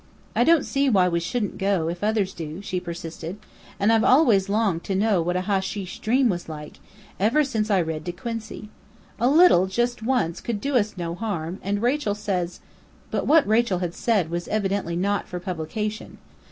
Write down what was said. "I don't see why we shouldn't go, if others do," she persisted, "and I've always longed to know what a hasheesh dream was like, ever since I read De Quincey. A little, just once, could do us no harm, and Rachel says " But what Rachel had said was evidently not for publication.